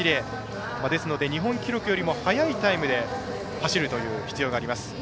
ですので、日本記録よりも早いタイムで走るという必要があります。